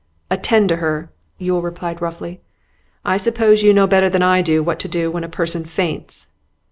'Attend to her,' Yule replied roughly. 'I suppose you know better than I do what to do when a person faints.